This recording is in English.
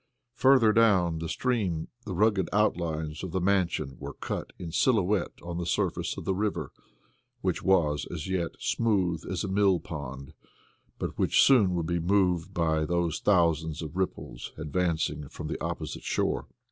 Further down the stream the rugged outlines of the Mansion were cut in silhouette on the surface of the river, which was, as yet, smooth as a mill pond, but which soon would be moved by those thousands of ripples advancing from the opposite shore.